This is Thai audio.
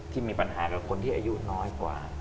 มีปัญหากับคนที่อายุน้อยกว่า